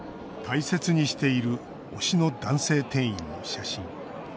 大切にしている推しの男性店員の写真。